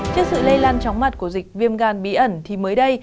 trước sự lây lan chóng mặt của dịch viêm gan bí ẩn thì mới đây